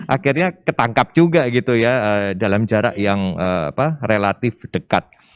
akhirnya ketangkap juga gitu ya dalam jarak yang relatif dekat